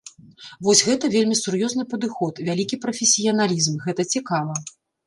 Вось гэта вельмі сур'ёзны падыход, вялікі прафесіяналізм, гэта цікава.